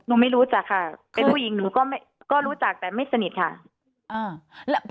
ไม่รู้จักค่ะเป็นผู้หญิงหนูก็รู้จักแต่ไม่สนิทค่ะ